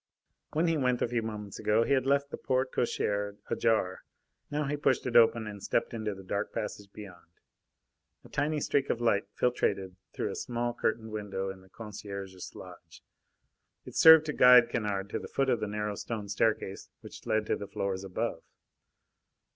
When he went a few moments ago, he had left the porte cochere ajar. Now he pushed it open and stepped into the dark passage beyond. A tiny streak of light filtrated through a small curtained window in the concierge's lodge; it served to guide Kennard to the foot of the narrow stone staircase which led to the floors above.